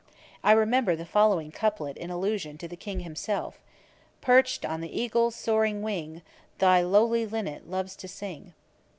I remember the following couplet in allusion to the King and himself: "Perch'd on the eagle's soaring wing, The lowly linnet loves to sing."